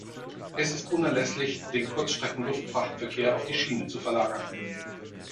Es ist unerlässlich, den Kurzstreckenluftfrachtverkehr auf die Schiene zu verlagern.